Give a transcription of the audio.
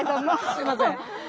すいません。